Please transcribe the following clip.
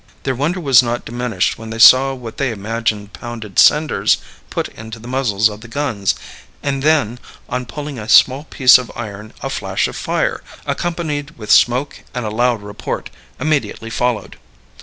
Their wonder was not diminished when they saw what they imagined pounded cinders put into the muzzles of the guns, and then, on pulling a small piece of iron, a flash of fire, accompanied with smoke and a loud report, immediately followed.